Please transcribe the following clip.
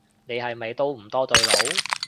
你係咪都唔多對路